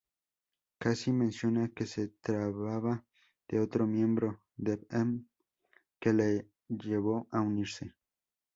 Cassie menciona que se trataba de otro miembro, Dev-Em, que la llevó a unirse.